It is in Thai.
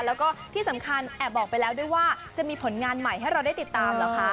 แล้วก็ที่สำคัญแอบบอกไปแล้วด้วยว่าจะมีผลงานใหม่ให้เราได้ติดตามเหรอคะ